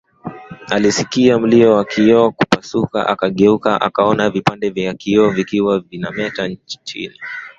Alisikia mlio wa kioo kupasuka akageuka akaona vipande vya kioo vikiwa vinameta chini